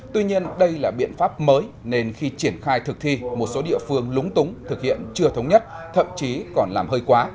tuy nhiên đây là biện pháp mới nên khi triển khai thực thi một số địa phương lúng túng thực hiện chưa thống nhất thậm chí còn làm hơi quá